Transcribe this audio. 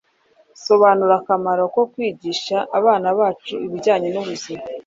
sobanura akamaro ko kwigisha abana bacu ibijyanye n’ubuzima